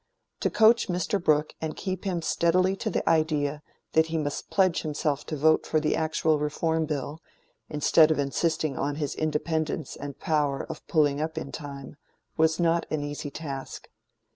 To coach Mr. Brooke and keep him steadily to the idea that he must pledge himself to vote for the actual Reform Bill, instead of insisting on his independence and power of pulling up in time, was not an easy task.